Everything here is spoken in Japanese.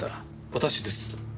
私です。